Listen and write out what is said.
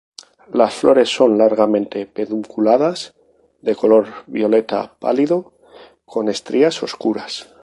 Las flores son largamente pedunculadas, de color violeta pálido con estrías oscuras.